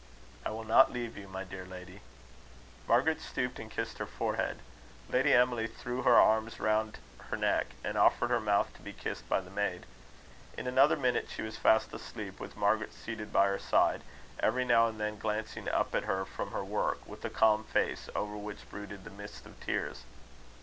"I will not leave you, my dear lady." Margaret stooped and kissed her forehead. Lady Emily threw her arms round her neck, and offered her mouth to be kissed by the maid. In another minute she was fast asleep, with Margaret seated by her side, every now and then glancing up at her from her work, with a calm face, over which brooded the mist of tears.